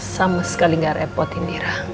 sama sekali gak repot indira